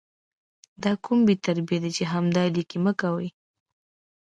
دا کوم بې تربیه ده چې همدا 💩 لیکي مه کوي